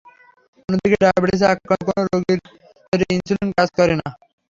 অন্যদিকে ডায়াবেটিসে আক্রান্ত কোনো কোনো রোগীর শরীরে ইনসুলিন কাজ করে না।